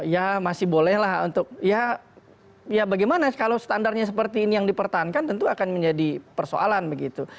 ya masih bolehlah untuk ya bagaimana kalau standarnya seperti ini yang dipertahankan tentu akan menjadi persoalan begitu